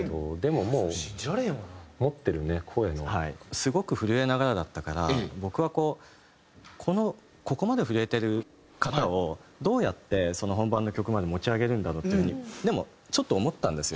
すごく震えながらだったから僕はこうこのここまで震えてる方をどうやって本番の曲まで持ち上げるんだろうっていう風にちょっと思ったんですよ。